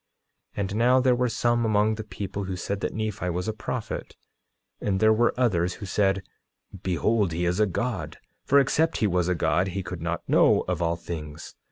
9:40 And now there were some among the people, who said that Nephi was a prophet. 9:41 And there were others who said: Behold, he is a god, for except he was a god he could not know of all things.